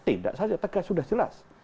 tidak saja tegas sudah jelas